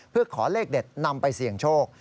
เพื่อขอเลขเด็ดนำไปเสี่ยงโชค